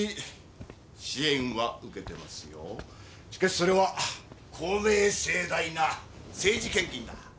しかしそれは公明正大な政治献金だ。